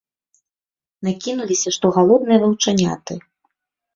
Накінуліся, што галодныя ваўчаняты.